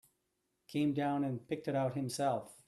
Came down and picked it out himself.